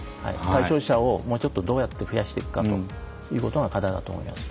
対象者をもうちょっとどうやって増やしていくかということが課題だと思います。